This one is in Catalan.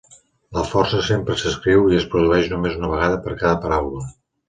La força sempre s'escriu i es produeix només una vegada per cada paraula.